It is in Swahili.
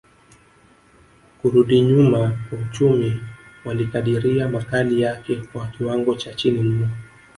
kurudi nyuma kwa uchumi walikadiria makali yake kwa kiwango cha chini mno